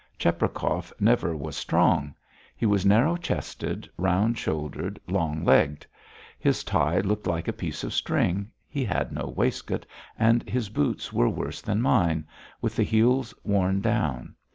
Cheprakov never was strong. He was narrow chested, round shouldered, long legged. His tie looked like a piece of string, he had no waistcoat, and his boots were worse than mine with the heels worn down.